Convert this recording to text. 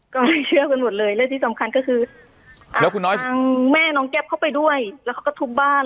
ก็เลยเชื่อกันหมดเลยแล้วที่สำคัญก็คือทางแม่น้องแก๊บเข้าไปด้วยแล้วเขาก็ทุบบ้าน